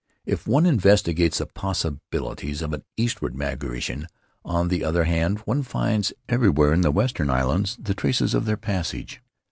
If one investigates the possibilities of an eastward migration, on the other hand, one finds everywhere in the western islands the traces of their passage.